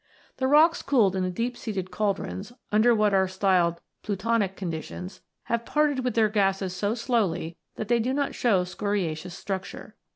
The rocks cooled in the deep seated cauldrons, under what are styled plutonic conditions, have parted with their gases so slowly that they do not show scoriaceous structure.